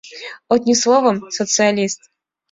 Одним словом, социалист...